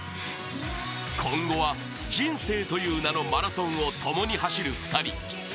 今後は人生という名のマラソンをともに走る２人。